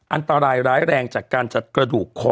อันตรายร้ายแรงจากการจัดกระดูกคอ